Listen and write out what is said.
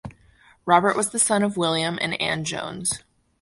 Robert was the son of William and Ann Jones.